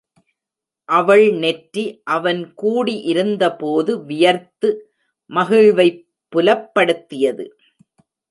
அவள் நெற்றி அவன் கூடி இருந்தபோது வியர்த்து மகிழ்வைப் புலப்படுத்தியது.